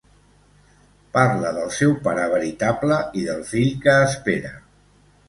Parla del seu pare veritable i del fill que espera.